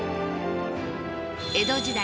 江戸時代